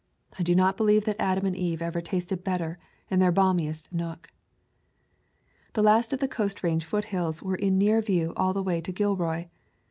I do not believe that Adam and Eve ever tasted better in their balmiest nook. The last of the Coast Range foothills were in near view all the way to Gilroy.